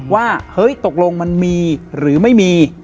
ว่าเฮ้ยตกลงมันมีหรือไม่มี